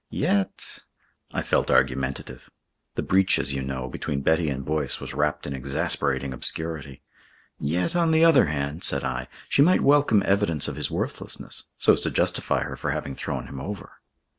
Yet " I felt argumentative. The breach, as you know, between Betty and Boyce was wrapped in exasperating obscurity. "Yet, on the other hand," said I, "she might welcome evidence of his worthlessness, so as to justify her for having thrown him over."